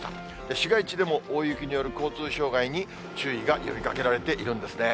市街地でも大雪による交通障害に注意が呼びかけられているんですね。